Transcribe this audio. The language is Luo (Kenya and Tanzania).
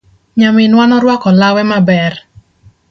Nyaminwa norwako lawe maber.